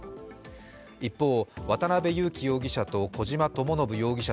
一方、渡辺優樹容疑者と小島智信容疑者